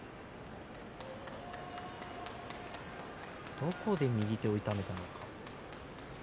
どこで右手を痛めたのか。